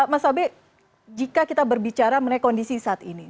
mas abe jika kita berbicara mengenai kondisi saat ini